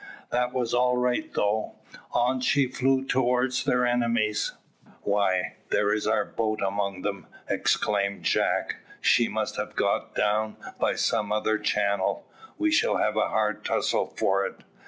That was all right though. On she flew towards their enemies. "Why, there is our boat among them," exclaimed Jack; "she must have got down by some other channel. We shall have a hard tussle for it."